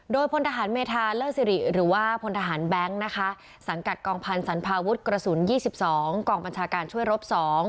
โดยพลทหารเมธาเลิศสิริหรือว่าพลทหารแบงค์นะคะสังกัดกองพันธ์สันพาวุฒิกระสุน๒๒กองบัญชาการช่วยรบ๒